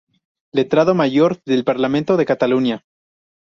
Letrado Mayor del Parlamento de Cataluña.